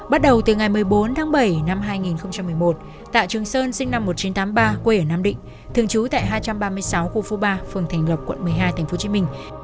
bắt đầu từ ngày một mươi bốn tháng bảy năm hai nghìn một mươi một tạ trường sơn sinh năm một nghìn chín trăm tám mươi ba quê ở nam định thường trú tại hai trăm ba mươi sáu khu phố ba phường thành lộc quận một mươi hai tp hcm